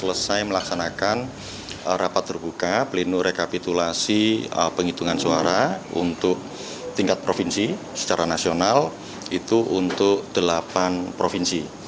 selesai melaksanakan rapat terbuka pleno rekapitulasi penghitungan suara untuk tingkat provinsi secara nasional itu untuk delapan provinsi